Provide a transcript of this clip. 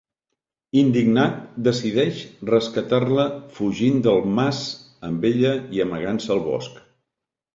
Indignat, decideix rescatar-la fugint del mas amb ella i amagant-se al bosc.